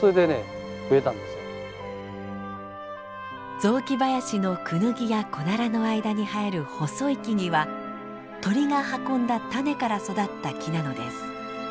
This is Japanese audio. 雑木林のクヌギやコナラの間に生える細い木々は鳥が運んだ種から育った木なのです。